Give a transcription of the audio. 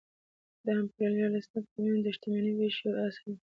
د امپریالیستانو ترمنځ د شتمنۍ وېش یو اصل دی